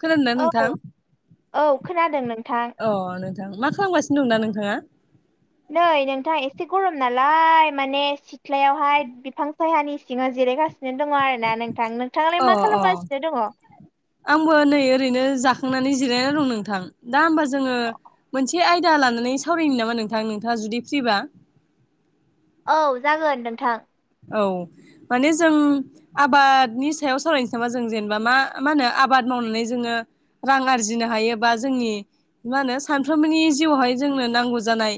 खोनादों ना औ नोंथां? औ खोनादों नों अ नोंथां मा खालामगासिनो दं दा नोंथाङा? नै नोंथां ए एसे गरम नालाय माने सिथ्लायावहाय बिफां सायानि सिङाव जिरायगासिन नो दङ आरोना नोंथां। नोंथाङालाय अ मा अ खालामगासिनो दङ? खांनानै जिरायना दं नोंथां दा होमबा जोङो एसे आयदा लानानै सावरायनो नामा नोंथां नोंथाङा जुदि फ्रिबा? औ जागोन नोंथां। औ माने जों आबादनि सायाव सावरायनोसै नामा जों जेनेबा मा मा होनो आबाद मावनानै जोङो रां आरजिनो हायोबा जोंनि मा होनो सानफ्रोमबोनि जिउआवहाय जोंनो नांगौ जानाय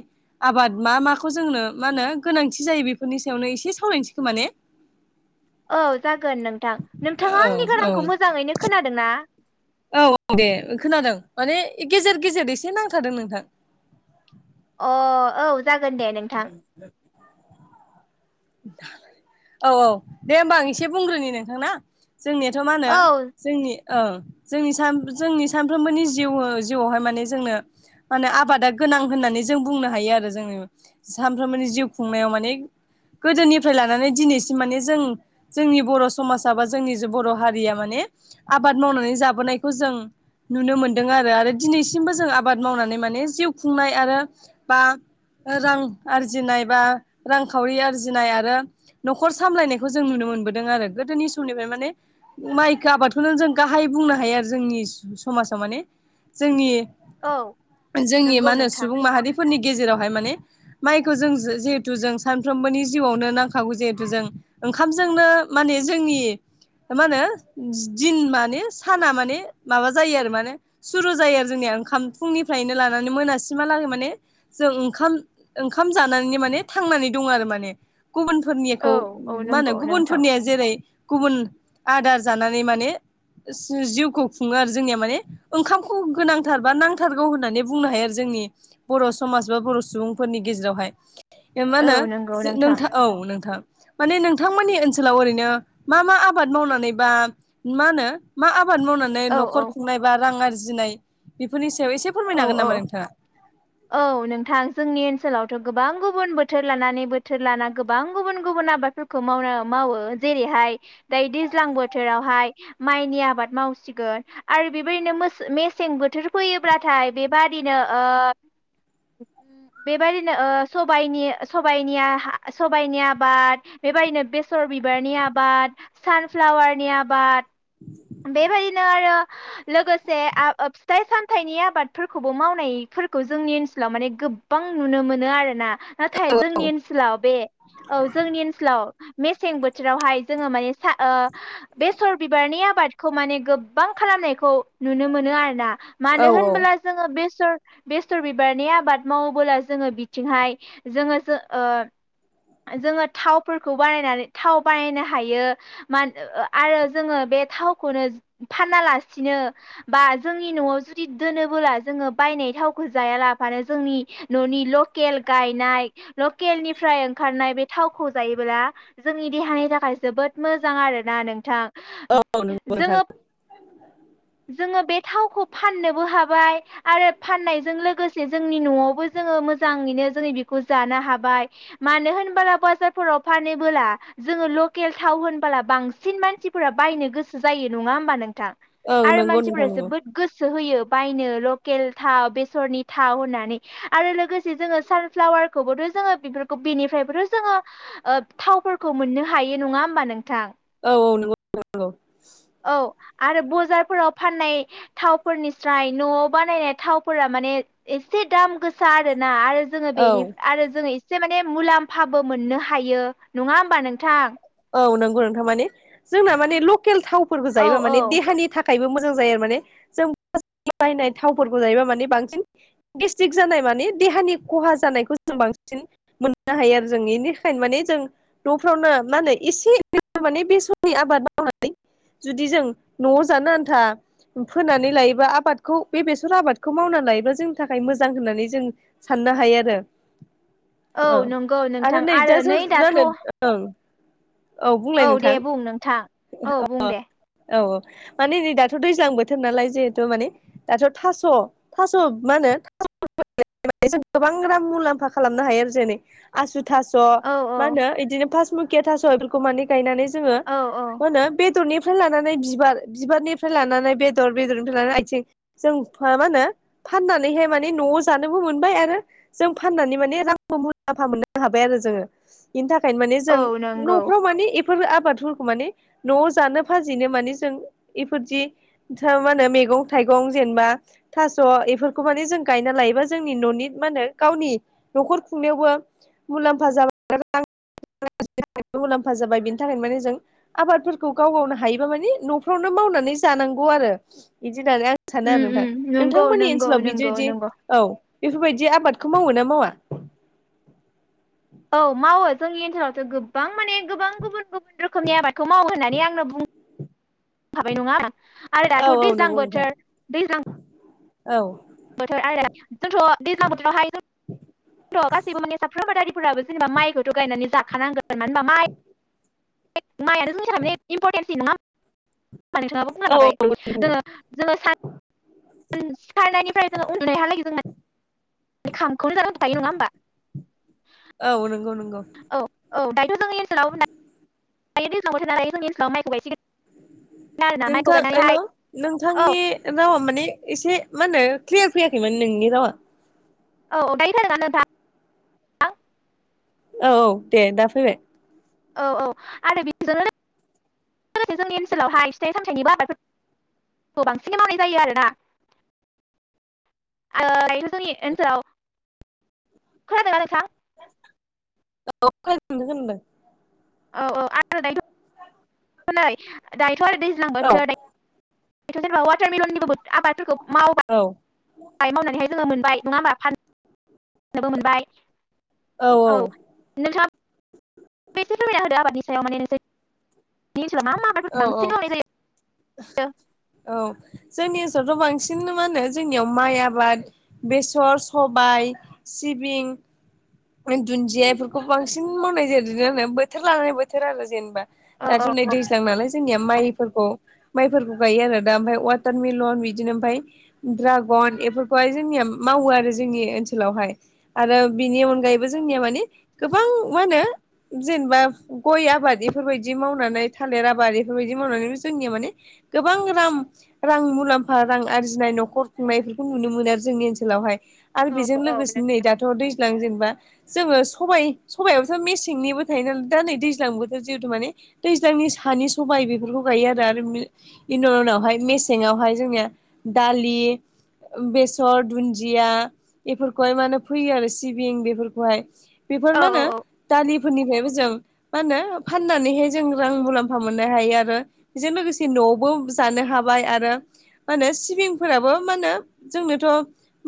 आबाद मा माखौ जोंनो मा होनो गोनांथि जायो। बेफोरनि सायावनो एसे सावरायनोसै खोमा ने। औ जागोन नोंथां नोंथाङा औ आंनि औ गारांखौ मोजाङैनो खोनादों ना। औ औ दे खोनादों माने गेजेर गेजेर एसे नांथादों नोंथां। अ औ जागोन दे नोंथां। औ औ दे होमबा आं एसे बुंग्रोनि नोंथां ना। जोंनियाथ' मा होनो औ जोंनि औ जोंनि जोंनि साम सानफ्रोमबोनि जिउ जिआवहाय माने जोंनो माने आबादा गोनां होननानै जों बुंनो हायो आरो जोङो सानफ्रोमबोनि जिउ खुंनायाव माने गोदोनिफ्राय लानानै दिनैसिम माने जों जोंनि बर' समाजा बा जोंनि जे बर' हारिया माने आबाद मावनानै जाबोनायखौ जों नुनो मोनदों आरो आरोव दिनैसिमबो जों आबाद मावनानै माने जिउ खुंनाय आरो बा रां आरजिनाय बा रांखावरि आरजिनाय आरो न'खर सामलायनायखौ जों नुनो मोनो। मोनबोदों आरो गोदोनु सम माइ आबादखौ जों गाह बुंनो हायो आरो जोंनि समाजाव माने जोंनि औ जोंनि नंगौ मा होनो नोंथां। सुबुं माहारिफोरनि गेजेराव मायखौ जों जे जिहेथु जों सानफ्रोमबोनि जिव आवनो नांखागौजिहेथु जो ओंखामजोंनो नो माने जोंनि मा होनो दिन माने साना माने माबा जायो आरो माने सुरु जायो आरो जोंनिया ओंखाम फुंनिफ्रायनो लानानै मोनाासमहालागै माने जों ओंखाम ओंखाम जानानैनो माने थांनानै दं आरो माने औ गुबुनफोरनिखौ औ मा होनो नंगौ नोंथां गुबुनफोरनिया जेरै गुबुन आदार जानानै माने जिउखौ खुङो आरो ।जोंनिया माने ओंखामखौ गोनांथार बा नांथारगौ होननानै बुंनो हायो आरो जों। बर' सुबुं समाज बा बर' सुबुंफोरनि गेजेरावहाय। मा औ होनो नंगौ नोंथां औ नोंथां। माने नोंथांमोननि ओनसोलाव ओरैनो मा मा आबाद मावनानै बा मा होनो मा आबाद? आबाद मावनानै औ न'खर खुंनाय बा रां आरजिनाय बेफोरनि सायाव एसे औ फोरमायनो हागोन औ नामा नोंथाङा? औ नोंथां जोंनि ओनसोलावथ' गोबां गुबुन बोथोर लानानै बोथोर लाना गोबां गुबुन गुबुन आबादफोरखौ माव मावो जेरैहाय- दैज्लां बोथोरावहाय माइनि आबाद मावसिगोन। आरो बेबायदिनो मेसें बोथोर फैयोब्लाथाय बेबादिनो ओ बेबायदिनो ओ सबायनि आबाद बेबायदिनो बेसर बेसर बिबारनि आबाद सानफ्लावारनि आबाद। बेबायायनो आरो लोगोसे आबाद ओ फिथाइ सामथाइनि आबादफोरखौबो मावनायफोरखौ जोंनि ओनसोलाव माने गो गोबां नुनो मोनो आरोना ।नाथाय औ जोंनि ओनसोलाव बे औ जोंनि ओनसोलाव मेसें बोथोरावहाय जोङो माने सा ओ बेसर बिबारनि आबाद खौ माने गोबां खालामनायखौ नुनो मोनो आरोना। मानो औ होनबोला जोङो बे बेसर बिबारनि आबाद मावबोला जोङो बिथिंहाय जोङो जो ओ जोङो थावफोरखौ बानायनानै थाव बानायनो हायो। मान आरो जोङो बे थाव नो फाना लासिनो बा जोंनि न'आव जुदि दोनोबोला जोङो बायनाय थावखौ जाया लाानो जोंनि न'नि लकेल गायनाय लकेलनिफ्राय ओंखारनाय बे थावखौ जायोब्ला जोंनि देहानि थाखाय जोबोद मोजां आरोना नोंथां। औ। नंगौ नोंथां जोङो जोङो बे थावखौ फाननोबो हाबाय आरो फाननायजों लोगोसे जोंनि न'आवबो जोङो मोजां माने जोङो बिदिखौ जानो हाबाय मानो होनोब्ला बाजार फोराव फानोबोला - थाव होनबोला बांसिन मानसिफोरा बायनो गोसो जायो नङा होमबा नों औ आरो नंगौ मानसिफोरा नोंथां नंगौ जोबोद गोसो होयो बायनो लकेल थाव बेसरनि थाव होननानै आरो लोगोसे जोङो सानफ्लावार बोथ' जोङो बेफोरखौ बेनिफ्रायबोथ' जोङो थावफोरखौ मोननो हायो नङा होमबा नोंथां। औ औ नंगौ। औ ।आरो बजारफोराव फाननाय थावफोरनि स्राय न'आव बानायनाय थावफोरा माने एसे दाम गोसा आरोना आरो जोङो औ बेनि आरो जोङो एसे माने मुलाम्फाबो मोननो हायो नङा होमबा नोंथां? औ नंगौ नोंथां ।माने जोंना माने लकेल थावफोरखौ औ जायोबा औ माने देहानि थाखाय थाखायबो मोजां जायो आरो ।माने जों बायनाय थावफोरखौ जायोबा माने बांसिन गेस्टिक जानाय माने देहानि खहा जानायखौ जों बांसिन सिन मोननो हायो आरो जों बेनिखायनो माने जों न'फ्रावनो मानो। एसे माने बेसनि आबाद मावनानै [unintelligible] जुदि जों न'आव जानो आन्था फोनानै लायोबा आबादखौ बे बेसर आबादखौ मावना लायोबा जोंनि थाखाय मोजां होननानै जों साननो हायो आरो। औ नंगौ आरो नोंथां नैजासो नै दाथ' [unintelligible] औं [unintelligible] औ बुंलाय नोंथां दे बुं नोंथां औ अ। बुं दे औ औ माने नै दाथ' दैज्लां बोथोर नालाय जिहेथु माने दाथ' थास' थास' मानो। गोबां रां मुलाम्फा खालामनो हायो आरो जै आसु [unintelligible] थास' औ औ माहोनो इदिनो फासमुकिया थास' इफोरखौ माने गायनानै जोङो मा औ औ होनो बे दरनिफ्राय लानानै बिबार बिबारनिफ्राय लानानै बेदर बेदरनिफ्राय लानानै आथिं जों माहोनो? फाननानैहाय माने न'आव जानोबो मोनबाय आरो जों फाननानै माने रांखौ मुलाम्फा मोननो हाबाय। आय आरो जोङो इनथाखायनो माने औ जों नंगौ न'फोराव माने एफ फोर आबादफोरखौ माने न'आव जानो फाजिनो माने जों इफोरबादि था मा‌नो मे गं थाइगं जेनबा थास' एफोरखौ माने जों गायना लायोबा जोंनि न'नि मानो गावनि। न'खर खुंनायावबो मुलाम्फा जाब मुलाम्फा जाबाय बिनि थाखायनो माने जों आबादफोरखौ गाव गावनो हायोबा मानिे न'फ्रावनो मावनानै जा नांगौ आरो बिदि होननानै आं सानो आरो उम नोंथां उम नंगौ नोंथांमोननि नंगौ ओनसोलाव नंगौ बिदिदि नंगौ औ बेफोरबायदि आबाद खौ मावो ना मावा? औ मावो जोंनि ओनसोलावथ' गोबां माने गोबां गुबुन गुबुन रोखोमनि आबादखौ मावो होननानै आंनो बुङ [inaudible] [unintelligible] खाबाय नङा आरो औ दाथ' औ दैज्लां बोथोर दैज्लां। औ। थ' आरो जोंथ' दैज्ला बोथोरावहाय [unintelligible] थ' गासैबो माने साफ्रोम आबादारिफोराबो जेनेबा माइखौथ' गायनानै जाखानांगोन मानो होनबा माइ माइआ [unintelligible] नो जों स इम्परटेन्स नामा ानिाबा बुंना औ थाबाय दङो जोङो सान [unintelligible] सिखारनायनिफ्राय जों उनदुनायहालागै जोंना खामखौनो जानानै थायो नङा होमबा [unintelligible] औ [unintelligible] औ [inaudible] औ दायोथ' जोंनि ओनसोलाव दायो दैज्लां बोथोरनालाय जोंनि ओनोलाव माइखौ गायसिगोन। आरोना माइखौ नोंथां एल' गायनानैहाय औ नोंथांनि रावा माने एसे मा होनो क्लियार फैयाखैमोन नोंनि रावा। औ दायो‌ फैदोंना नोंथां आं औ औ दे दा फैबाय औ औ आरो बिदिल [unintelligible] लोगोसे जोंनि ओनसोलावहाय फिथाइ सामथाइनिबो आबादफोर खौ बांसिनै मावनाय जायो आरोना ओ दायोथ' जोंनि ओनसोलाव खोनादोंना नोंथां? [unintelligible] [inaudible] औ औ आरो दायथ' नै दायथ' आरो दैज्लां औ बोथोर बेथ' जेनेबा वाटारमलननिबो आबादफोरखौ औ मावबाय मावनानैहाय जोङो मोनबाय। नङा होमबा फान नोबो मोनबाय औ नोंसा एसे फोरमायना ना होदो आबादनि सायाव माने नोंसोरनि ओनसोलाव मा मा आबादफोर औ औ बांसिन मावनाय जायो औ जोंनि ओ बथ' बांसिन मा होनो जोंनियाव माइ आबाद बेसर सबाय सिबिं दुन्दिया इफोरखौ बांसिन मावनाय ज जादों बोथोर लानाय बोथोर आरो जेनबा औ दा जुनै दैज्लां नालाय जोंनिया माइफोरखौ। माइफोरखौ गायो आरो दा ओमफाय वाटारमेलन बिदिनो ओफाय ड्रागन एफोरखौहाय जोंनिया मा मावो आरो जोंनि ओनसोलावहाय आरो बिनि अन अनगायैबो जोंनिया माने गोबां मा होनो जेनेबा गय आबाद इफोरबायदि मावनानै थालिर आबाद इफोरबायदि मावनानै जोंनिया माने गोबां रां रां मुलाम्फा रां आरजिनाय न'खर खुंनायफोरखौ नुनो मोनो आरो जोंनि ओनसोलावहाय आरो औ बेजों औ नों लोगोसे नै दाथ' दैज्लां जेन जोङो सबाय सबायावथ' मेसेंनिबो थायो नालाय दा नै दैज्लां बोथोर जिहेथु माने दैज्लांनि बे सानि सबाय बेफोरखौ गायो आरो बेनि उनावहाय मेसेङावहाय जोंनिया दालि लि बेसर दुनदिया बेफोरखौहाय मानि फोयो आरो सिबिं बेफोर बेफोर औ मा होनो दालि फोरनिफ्रायबो जों मा होनो फाननानैहाय जों रां मुलाम्फा मोननो हायो आरो बेजों लोगोसे यावबो जानो हाबाय आरो माहोनो सिबिंफोराबो मा होनो जोंनोथ'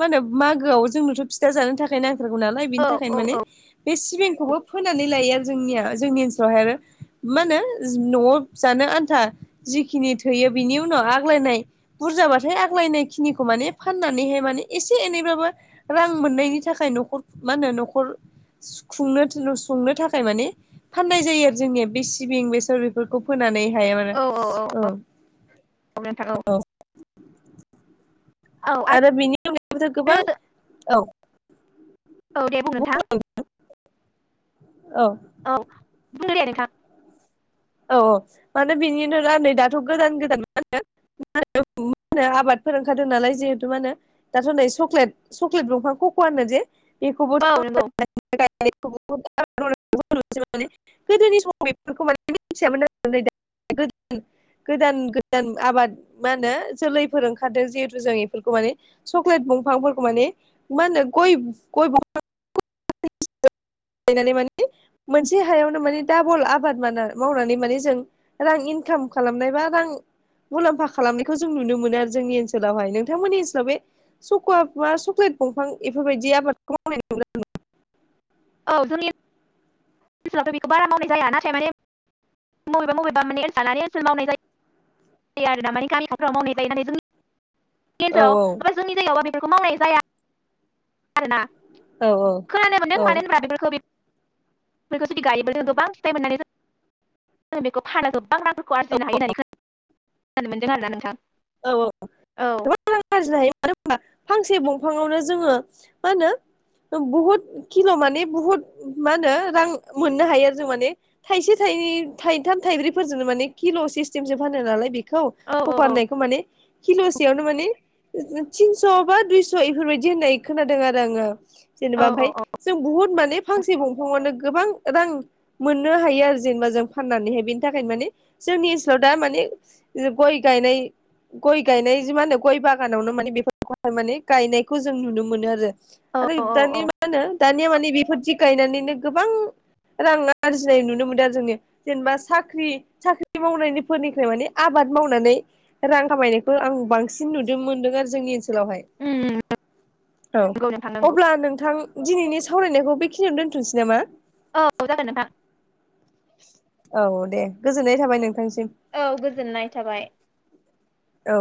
मा होनो मागोआव जोंनोथ' फिथा जानो थाखाय नांथारगौ नालाय औ बेनि थाखायनो माने बे सिबिंखौबो फोनानै लायो आरो जोंनिया जोंनि ओनसोलावहाय आरो मा होनो न'आव जानो आन्था जिखिनि थैयो बिनि उनाव आग्लायनाय बुरजाबाथाय आग्लायनाय खिनिखौ माने फाननानैहाय मान एसे एनैब्लाबो रां मोननायनि थाखाय न'खर मा होनो न'खर खुंनो संनो थाखाय माने फाननाय जायो आरो जोंनिया बे सिबिं बेसर बेफोरखौ फोनानै थाया मान औ औ। औ आरो बेनि अनगायैबोथ' गोबां आरो औ औ दे बुं नोंथां। औ बुंदे नोंथां। औ औ माने बिनिनो नै दा दाथ' गोदान गोदान मा होनो मा होन मा होनो आबादफोर ओंखारदों नालाय जिहेथु मा होनो दाथ' नै सक्लेट सक्लेट दंफां कक'आ होनो जे औ नंगौ। मे गोदोनि समाव बेफोरखौ माने मिनथियामोन आरो [unintelligible] गोदान गोदान आबाद मा होनो जोलैफोर ओंखारदों जिहेथु जों बेफोरखौ माने चक्लेट बिंफांफोरखौ माने मा होनो गय गय [unintelligible] नानै मानि मोनसे हायावनो माने डाबल आबाद मावनानै माने जों रां इनकाम खालामनाय बा रां मुलाम्फा खालामनायखौ जों नुनो मोनो आरो जोंनि ओनसोलावहाय। नोंथांमोननि ओनसोलाव बे सक'वा मा सक्लेट दंफां बेफोरबायदि आबादखौ मावनाय [unintelligible] औ जों ओन्सोलावथ' बेखौ बारा मावनाय जाया नाथाय माने बबेबा बबेबा माने ओन्सोल लानानै ओन्सोल मावनाय जायो। [unintelligible] हनसाव औ ओमफ्राय जोंनि जायगायावबा बेफोरखौ मावनाय जाया आरोना। औ खोनानाय मोनदों औ मानो होनबा बेफोरखौ बेखौ जुदि गायोब्ला [unintelligible] ज बेखौ फाना गोबां रांफोरखौ आरजिनो हायो होननानै खोन खोनानो मोनदों आरोना नोंथां। औ औ। औ गोबां रां आरजिनो हायो मानो होना फांसे दंफाङावनो जोङो मा होनो बुहुद किल' माने बुहुत मा होनो रां मोननो हायो आरो जों माने थायसे थाइ थाइथाम थाइब्रैफोरजों माने किल' सिस्टेमसो फानो नालाय बे खौ औ औ खखा' औ होननायखौ माने खिल'सेयावनो माने थिनस' बा दुइस' इफोरबायदि होननाय खोनादों आरो आङो औ जेनेबा ओमफ्राय जों बुहुत माने फांसे दंफाङावनो गोबां रां मोननो हायो आरो जेनेबा जों फाननानैहाय बेनि थाखायनो माने जोंनि ओनसोलाव दा माने गय गायनाय गय गायनाय जे मा होनो गय बाग बागानावनो माने बेफोरखौहाय माने गायनायखौ जों नुनो मोनो आरो। आरो औ औ दानि औ मा होनो दानिया मानि बेफोरदि गायनानैनो गोबां रां आरजिनाय नुनो मोनदों आरो जोङो जेनेबा साख्रि साख्रि मावनायनिफोरनिफ्राय माने आबाद मावनानै रां खामायनायखौ आं बांसिन नुनो मोनदों आरो जोंनि ओनोल औ नंगौ नोंथां नंगौ अब्ला नोंथां दिनैनि स सावरायनायखौ बेखिनियाव दोनथ'नोसै नामा?? औ जागोन नोंथां। औ दे गोजोननाय थाबाय नोंथांनिसिम। औ गोजोननाय थाबाय। औ।